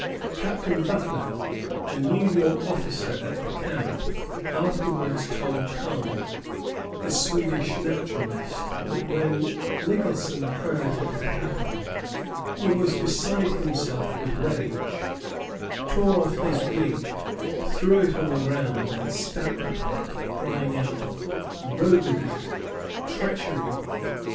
Captain Butler, a New York officer at the camp, afterwards told Kalm, the Swedish naturalist, that when Nicholson heard what had happened, he was beside himself with rage, tore off his wig, threw it on the ground and stamped upon it, crying out, "Roguery! Treachery!"